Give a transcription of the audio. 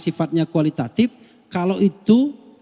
sifatnya kualitatif kalau itu